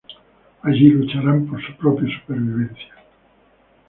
Allí lucharán por su propia supervivencia.